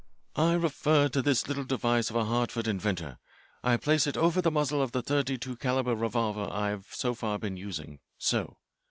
"I refer to this little device of a Hartford inventor. I place it over the muzzle of the thirty two calibre revolver I have so far been using so.